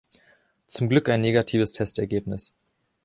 Zum Glück ein negatives Testergebnis.